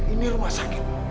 ini rumah sakit